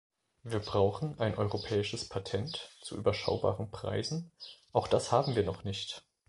Wir brauchen ein europäisches Patent zu überschaubaren Preisen, auch das haben wir noch nicht.